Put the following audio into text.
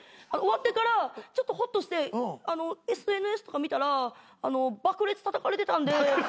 終わってからちょっとほっとしてＳＮＳとか見たら爆裂たたかれてたんで。